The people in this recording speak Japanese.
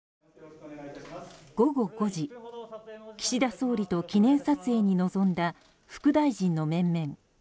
午後５時、岸田総理と記念撮影に臨んだ副大臣の面々。